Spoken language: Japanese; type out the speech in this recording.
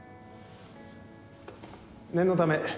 念のため。